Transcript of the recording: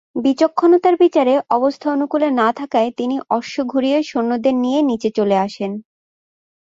বিচক্ষণতার বিচারে অবস্থা অনুকূলে না থাকায় তিনি অশ্ব ঘুরিয়ে সৈন্যদের নিয়ে নিচে চলে আসেন।